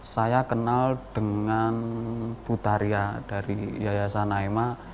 saya kenal dengan putaria dari yayasan naima